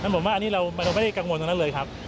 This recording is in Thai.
ผมว่าอันนี้เราไม่ได้กังวลตรงนั้นเลยครับ